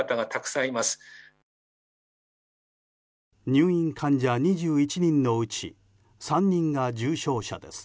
入院患者２１人のうち３人が重症者です。